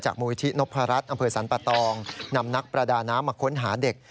มูลิธินพรัชอำเภอสรรปะตองนำนักประดาน้ำมาค้นหาเด็ก